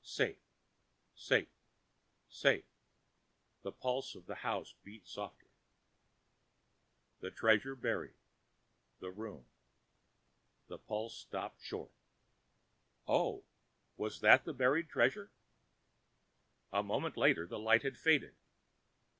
"Safe, safe, safe," the pulse of the house beat softly. "The treasure buried; the room ..." the pulse stopped short. Oh, was that the buried treasure? A moment later the light had faded.